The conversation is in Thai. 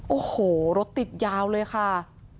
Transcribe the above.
โอ้โหรถติดยาวเลยค่ะ